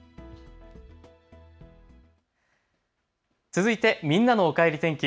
続いてみんなのおかえり天気。